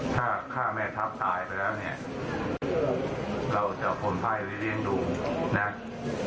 ถ้าฆ่าแม่ทัพตายไปแล้วเนี่ยเราจะเอาคนไพ่ไว้เลี้ยงดูนะ